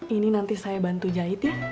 ini nanti saya bantu jahit ya